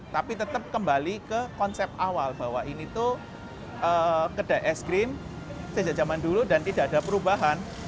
tapi tetap kembali ke konsep awal bahwa ini tuh kedai es krim sejak zaman dulu dan tidak ada perubahan